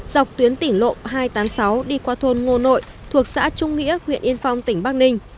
dọc tuyến tỉnh lộ hai trăm tám mươi sáu đi qua thôn ngô nội thuộc xã trung nghĩa huyện yên phong tỉnh bắc ninh